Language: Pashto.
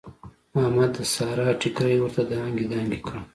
احمد د سارې ټیکری ورته دانګې دانګې کړ.